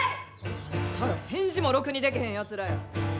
あんたら返事もろくにでけへんやつらや。